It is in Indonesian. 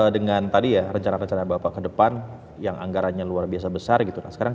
dengan tadi ya rencana rencana bapak ke depan yang anggarannya luar biasa besar gitu